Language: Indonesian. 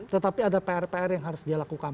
tetapi ada pr pr yang harus dia lakukan